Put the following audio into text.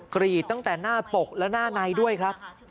กรีดตั้งแต่หน้าปกและหน้าในด้วยครับ